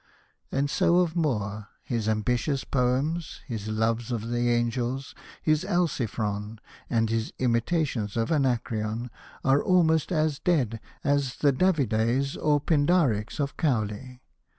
And so of Moore, his ambitious poems, his Loves of the Angels^ his Alciphron and his imitations of Anacreon, are almost as dead as the Davideis or Pindarics of Cowley.